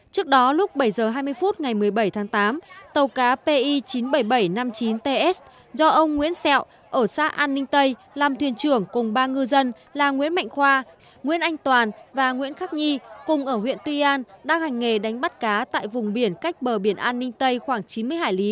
trước đó lúc bảy h hai mươi phút ngày một mươi bảy tháng tám tàu cá pi chín mươi bảy nghìn bảy trăm năm mươi chín ts do ông nguyễn xẹo ở xã an ninh tây làm thuyền trưởng cùng ba ngư dân là nguyễn mạnh khoa nguyễn anh toàn và nguyễn khắc nhi cùng ở huyện tuy an đang hành nghề đánh bắt cá tại vùng biển cách bờ biển an ninh tây khoảng chín mươi hải lý